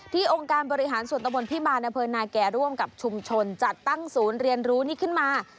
องค์การบริหารส่วนตะบนพิมารอำเภอนาแก่ร่วมกับชุมชนจัดตั้งศูนย์เรียนรู้นี้ขึ้นมา